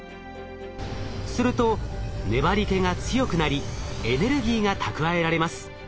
すると粘り気が強くなりエネルギーが蓄えられます。